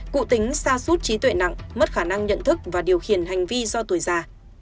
cụ tính xa suốt trí tuệ nặng mất khả năng nhận thức và điều khiển hành vi do tuổi già